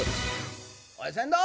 「おい船頭」。